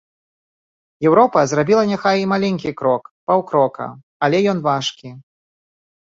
Еўропа зрабіла няхай і маленькі крок, паўкрока, але ён важкі.